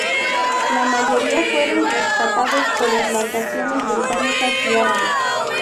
La mayoría fueron rescatados por embarcaciones británicas y árabes.